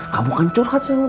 kamu kan curhat sama